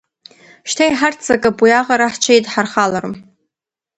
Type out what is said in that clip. Шьҭа иҳарццакып, уи аҟара ҳҽеидҳархаларым.